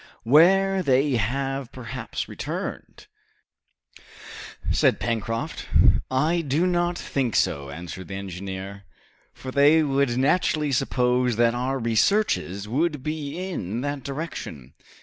"Where they have perhaps returned," said Pencroft. "I do not think so," answered the engineer, "for they would naturally suppose that our researches would be in that direction.